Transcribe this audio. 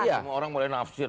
iya semua orang boleh nafsir